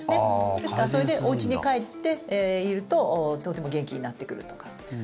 ですからそれでおうちに帰っているととても元気になってくるとか。